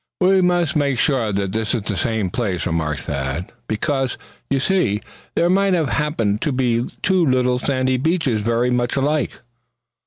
"We must make sure that this is the same place," remarked Thad. "Because, you see, there might happen to be two little sandy beaches very much alike."